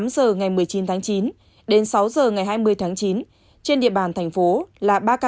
xin chào và hẹn gặp lại